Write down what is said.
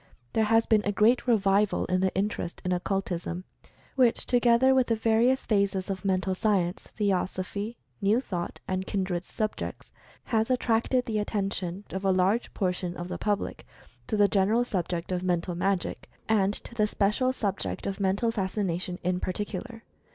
There has been a great revival in the in terest in Occultism, which together with the various phases of Mental Science, Theosophy, New Thought, and kindred subjects, has attracted the attention of a large portion of the public to the general subject of Mental Magic, and to the special subject of Mental Fascination, in particular.